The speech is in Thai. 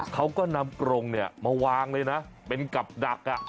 เขาก็นำกรงเนี่ยมาวางเลยนะเป็นกับดัก